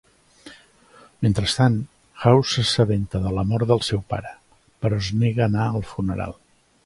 Mentrestant, House s'assabenta de la mort del seu pare, però es nega a anar al funeral.